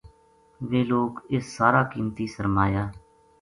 ویہ لوک اُس سارا قیمتی سرمایا